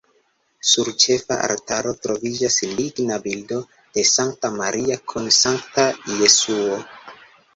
Sur ĉefa altaro troviĝas ligna bildo de Sankta Maria kun sankta Jesuo.